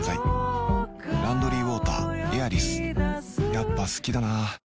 やっぱ好きだな